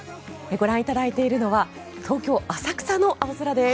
ご覧いただいているのは東京・浅草の空です。